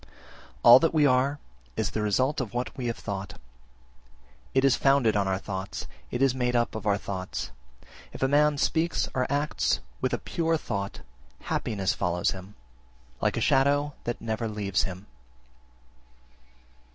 2. All that we are is the result of what we have thought: it is founded on our thoughts, it is made up of our thoughts. If a man speaks or acts with a pure thought, happiness follows him, like a shadow that never leaves him.